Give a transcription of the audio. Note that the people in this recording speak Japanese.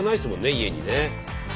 家にね。